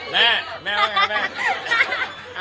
แม่แม่ว่าไงครับแม่